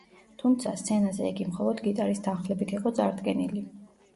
თუმცა, სცენაზე იგი მხოლოდ გიტარის თანხლებით იყო წარდგენილი.